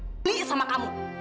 peduli sama kamu